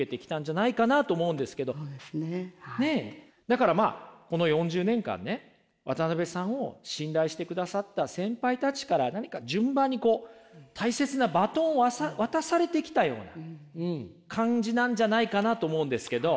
だからまあこの４０年間ね渡辺さんを信頼してくださった先輩たちから何か順番にこう大切なバトンを渡されてきたような感じなんじゃないかなと思うんですけど。